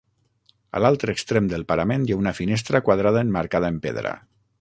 A l'altre extrem del parament hi ha una finestra quadrada emmarcada en pedra.